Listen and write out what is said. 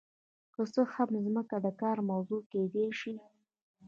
که څه هم ځمکه د کار موضوع کیدای شي.